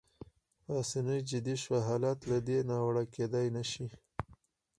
پاسیني جدي شو: حالت له دې ناوړه کېدای نه شي.